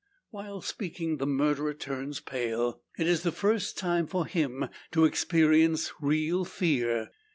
While speaking, the murderer turns pale. It is the first time for him to experience real fear.